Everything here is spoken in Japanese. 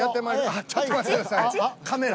ちょっと待ってくださいカメラ。